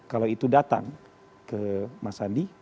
kalau itu datang ke mas andi